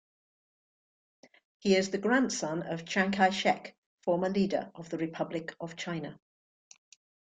He is the grandson of Chiang Kai-shek, former leader of the Republic of China.